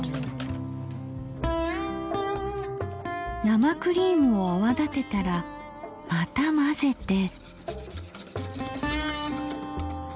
生クリームを泡立てたらまた混ぜて。